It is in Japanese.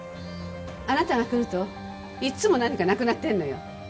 あなたが来るといつも何かなくなってるのよ。